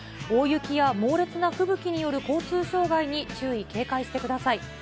大雪や猛烈な吹雪による交通障害に注意、警戒してください。